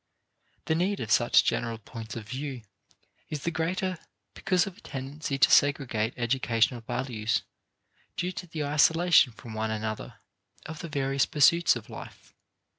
The need of such general points of view is the greater because of a tendency to segregate educational values due to the isolation from one another of the various pursuits of life.